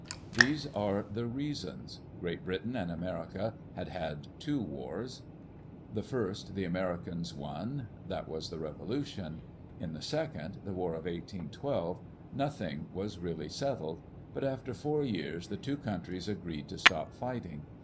These are the reasons: Great Britain and America had had two wars. The first, the Americans won; that was the Revolution. In the second, the War of 1812, nothing was really settled; but after four years the two countries agreed to stop fighting.